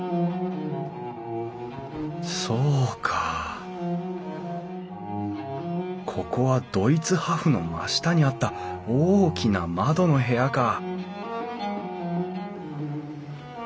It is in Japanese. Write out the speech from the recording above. そうかここはドイツ破風の真下にあった大きな窓の部屋か。